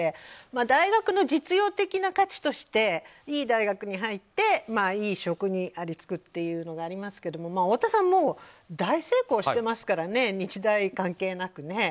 大学の実用的な価値としていい大学に入って、いい職にありつくというものがありますけど太田さんはもう大成功してますからね日大関係なくね。